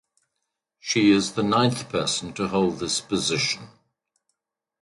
She is the ninth person to hold this position.